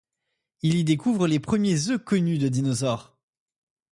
Il y découvre les premiers œufs connus de dinosaures.